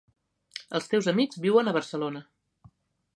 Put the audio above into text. Els teus amics viuen a Barcelona.